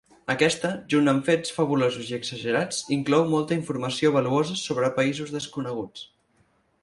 Aquesta, junt amb fets fabulosos i exagerats, inclou molta informació valuosa sobre països desconeguts.